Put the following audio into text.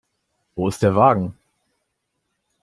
Wo ist der Wagen?